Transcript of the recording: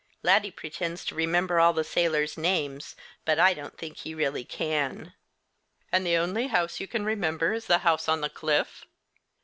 Laddie pretends to remember all the sailors' names, but I don't think he really can." "And the only house you can remember is the house on the cliff?"